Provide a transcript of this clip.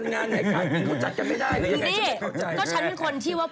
พี่หนิงมาบ่อยนะคะชอบเห็นมั้ยดูมีสาระหน่อย